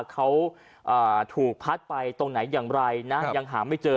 เขาถูกพัดไปตรงไหนอย่างไรนะยังหาไม่เจอ